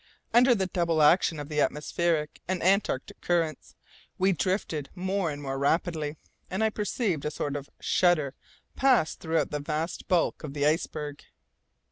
Under the double action of the atmospheric and antarctic currents, we drifted more and more rapidly, and I perceived a sort of shudder pass throughout the vast bulk of the iceberg.